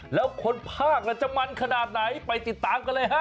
แล้วคนภาคจะมันขนาดไหนไปติดตามกันเลยฮะ